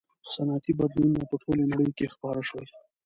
• صنعتي بدلونونه په ټولې نړۍ کې خپاره شول.